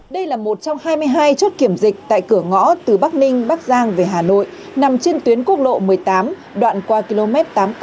đây là một trong hai mươi hai chốt kiểm dịch tại cửa ngõ từ bắc ninh bắc giang về hà nội nằm trên tuyến quốc lộ một mươi tám đoạn qua km tám mươi bảy